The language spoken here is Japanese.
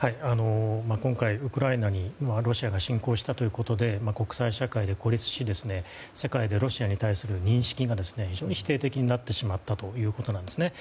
今回、ウクライナにロシアが侵攻したということで国際社会で孤立して世界のロシアに対する認識が非常に否定的になってしまったということなんですね。